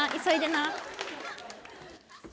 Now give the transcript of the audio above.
急いでな。